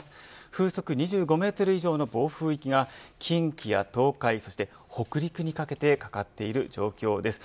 風速２５メートル以上の暴風域が近畿や東海そして北陸にかけてかかっている状況です。